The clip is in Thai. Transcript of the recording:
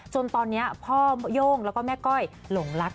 จนตอนนี้พ่อโย่งแล้วก็แม่ก้อยหลงรัก